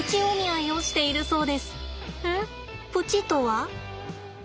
プチとは？